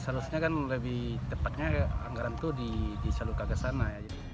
seharusnya kan lebih tepatnya anggaran itu disalurkan ke sana